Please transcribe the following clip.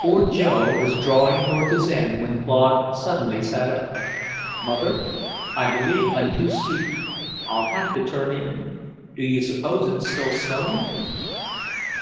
Poor Jo was drawing toward his end when Claude suddenly sat up. "Mother, I believe I'm too sleepy. I'll have to turn in. Do you suppose it's still snowing?"